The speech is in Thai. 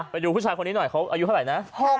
ไปดูผู้ชายคนนี้หน่อยเขาอายุเท่าไหร่นะ